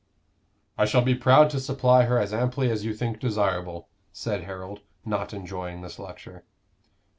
"I shall be proud to supply her as amply as you think desirable," said Harold, not enjoying this lecture.